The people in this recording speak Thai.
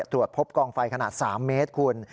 ตรวจพบกองไฟขนาด๓เมตรคุณ